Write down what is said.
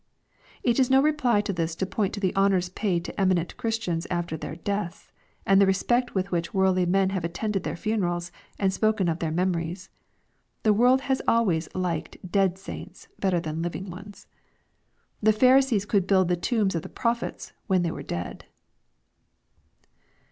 It is no reply to this to point to the honors paid to eminent Christians after their deaths, and the respect with which worldly men have attended their funerals and spoken of their memories. The world has always liked dead saints better than living ones. The Pharisees could build the tombs of the prophets, when they were dead.